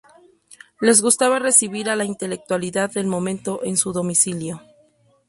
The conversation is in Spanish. Les gustaba recibir a la intelectualidad del momento en su domicilio.